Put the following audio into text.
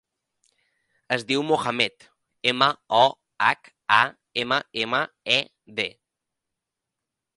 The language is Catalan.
Es diu Mohammed: ema, o, hac, a, ema, ema, e, de.